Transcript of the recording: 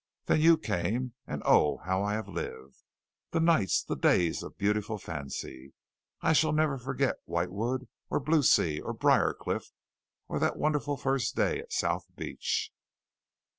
Then you came, and oh, how I have lived! The nights, the days of beautiful fancy. Shall I ever forget White Wood, or Blue Sea, or Briarcliff, or that wonderful first day at South Beach?